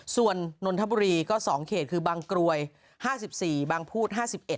ส่วนนนทบุรีก็๒เขตคือบางกรวย๕๔บางพูด๕๑